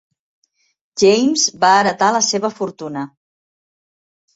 James va heretar la seva fortuna.